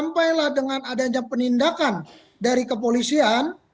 penindakan dari kepolisian